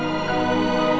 aku mau makan